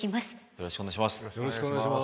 よろしくお願いします。